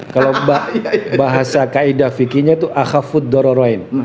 kalau bahasa kaidah fikirnya itu akhafud dororain